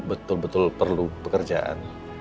betul betul perlu pekerjaan